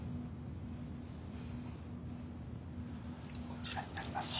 こちらになります。